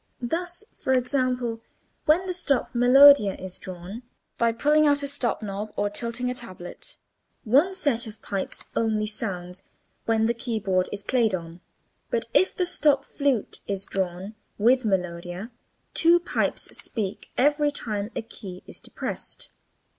Thus for example when the stop melodia is drawn (by pulling out a stop knob or tilting a tablet), one set of pipes only, sounds when the keyboard is played on: but if the stop flute is drawn with melodia, two pipes speak every time a key is depressed.